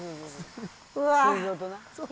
うわ。